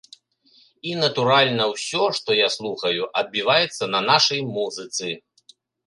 І, натуральна, усё, што я слухаю, адбіваецца на нашай музыцы.